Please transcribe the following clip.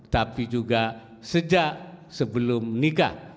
tapi juga sejak sebelum nikah